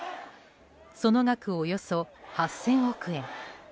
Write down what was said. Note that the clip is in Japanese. その額、およそ８０００億円。